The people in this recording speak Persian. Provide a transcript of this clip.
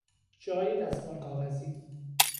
جای دستمال کاغذی